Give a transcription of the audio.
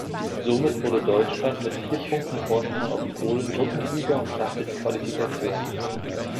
Somit wurde Deutschland mit vier Punkten Vorsprung auf Polen Gruppensieger und schaffte die Qualifikation.